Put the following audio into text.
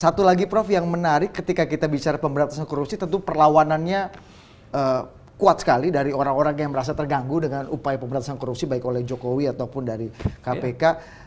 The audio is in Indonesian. satu lagi prof yang menarik ketika kita bicara pemberantasan korupsi tentu perlawanannya kuat sekali dari orang orang yang merasa terganggu dengan upaya pemberantasan korupsi baik oleh jokowi ataupun dari kpk